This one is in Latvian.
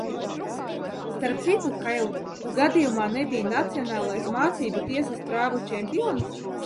Starp citu, Kail, tu gadījumā nebiji nacionālais mācību tiesas prāvu čempions?